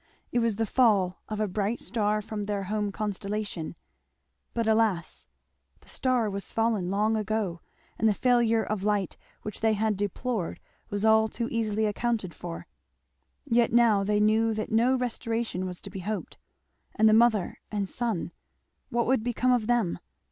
It was the fall of a bright star from their home constellation; but alas! the star was fallen long ago, and the failure of light which they had deplored was all too easily accounted for; yet now they knew that no restoration was to be hoped. And the mother and son what would become of them?